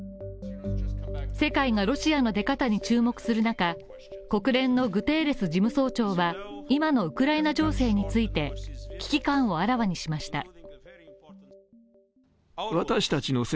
世界がロシアの出方に注目する中国連のグテーレス事務総長は今のウクライナ情勢について危機感をあらわにしました。